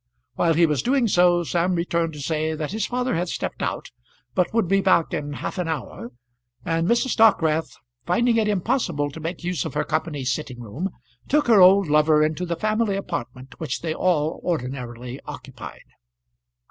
While he was doing so, Sam returned to say that his father had stepped out, but would be back in half an hour, and Mrs. Dockwrath, finding it impossible to make use of her company sitting room, took her old lover into the family apartment which they all ordinarily occupied.